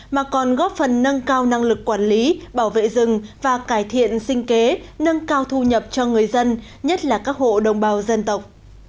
mà còn góp phần nâng cao năng lực quản lý bảo vệ rừng và cải thiện sinh kế nâng cao thu nhập cho người dân nhất là các hộ đồng bào dân tộc